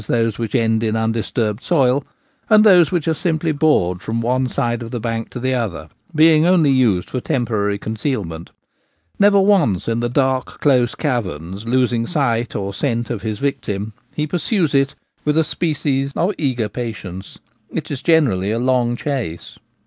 those which end in undisturbed soil, and those which are simply bored from one side of the bank to the other, being only used for temporary concealment), never once in the dark close caverns losing sight or scent of his victim, he pursues it with a species of eager patience. It is generally a long chase.